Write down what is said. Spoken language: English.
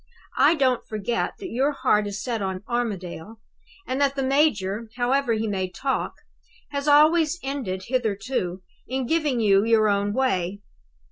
I don't forget that your heart is set on Armadale; and that the major, however he may talk, has always ended hitherto in giving you your own way.